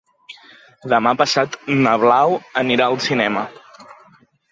Demà passat na Blau anirà al cinema.